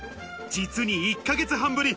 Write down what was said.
実に１ヶ月半ぶり。